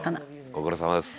「ご苦労さまです」